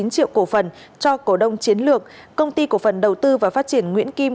bốn triệu cổ phần cho cổ đông chiến lược công ty cổ phần đầu tư và phát triển nguyễn kim